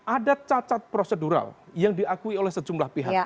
ada cacat prosedural yang diakui oleh sejumlah pihak